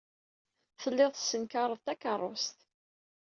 Tellid tessenkared takeṛṛust.